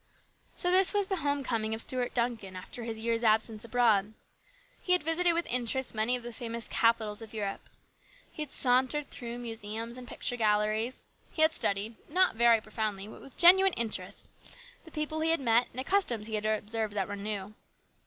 So this was the home coming of Stuart Duncan after his year's absence abroad. He had visited with interest many of the famous capitals of Europe. He had sauntered through museums and picture galleries ; he had studied, not very profoundly but with genuine interest, the people he had met and the customs he had observed that were new.